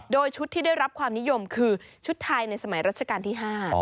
โดยชุดที่ได้รับความนิยมคือชุดไทยในสมัยรัชกาลที่๕